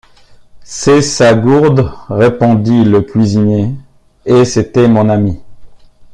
C’est sa gourde, répondit le cuisinier, et c’était mon ami.